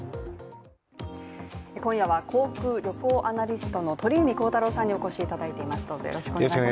今夜は、航空旅行アナリストの鳥海高太朗さんにお越しいただいています。